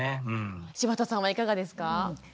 柴田さんはいかがですか？